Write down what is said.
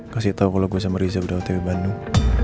kasih tau kalau gue sama riza udah otw di bandung